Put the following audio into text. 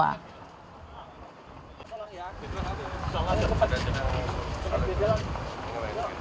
salah satu salah satu